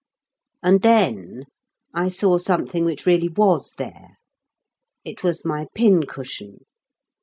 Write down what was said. And then I saw something which really was there. It was my pin cushion.